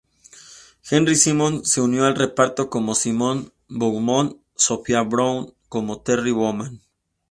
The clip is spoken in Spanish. Henry Simmons se unió al reparto como Simon Beaumont, Sophia Brown como Terry Beaumont.